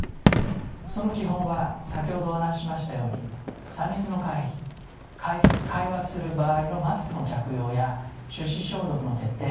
その基本は先ほどお話ししましたように３密の回避会話する場合のマスクの着用や手指消毒の徹底